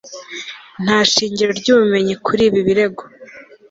nta shingiro ry'ubumenyi kuri ibi birego